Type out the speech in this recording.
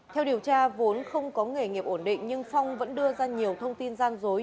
theo điều tra vốn không có nghề nghiệp ổn định nhưng phong vẫn đưa ra nhiều thông tin gian dối